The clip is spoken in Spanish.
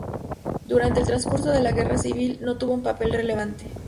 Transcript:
Durante el transcurso de la Guerra civil no tuvo un papel relevante.